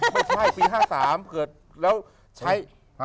ไม่ใช่ปี๕๓เกิดแล้วใช้